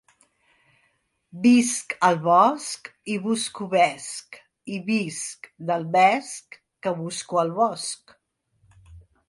Visc al bosc i busco vesc i visc del vesc que busco al bosc.